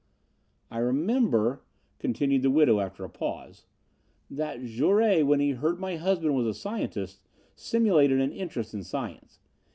"I remember," continued the widow, after a pause, "that Jouret, when he heard my husband was a scientist, simulated an interest in science.